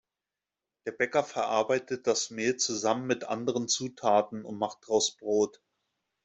Der Bäcker verarbeitet das Mehl zusammen mit anderen Zutaten und macht daraus Brot.